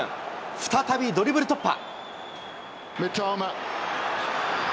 再びドリブル突破。